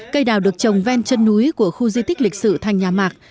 cây đào được trồng ven chân núi của khu di tích lịch sử thành nhà mạc